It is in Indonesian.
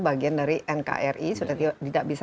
bagian dari nkri sudah tidak bisa